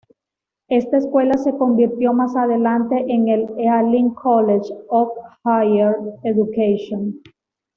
Esta escuela se convirtió más adelante en el Ealing College of Higher Education.